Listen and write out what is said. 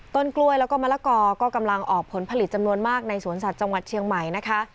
ต้นกล้วยแล้วก็มะละกอก็กำลังออกผลผลิตจำนวนมากในสวนสัตว์จังหวัดเชียงใหม่นะคะ